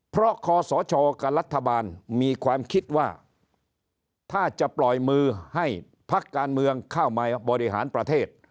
เพราะคอสชกับรัฐบาลมีความคิดว่าถ้าจะปล่อยมือให้พักการเมืองเข้ามาบริหารประเทศ